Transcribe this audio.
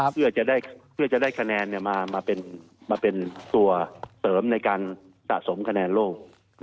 เพื่อจะได้คะแนนมาเป็นตัวเสริมในการสะสมคะแนนโลก